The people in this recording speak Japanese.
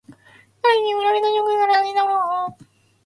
彼氏に振られたショックから立ち直る方法。